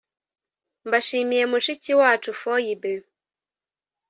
mbashimiye mushiki wacu foyibe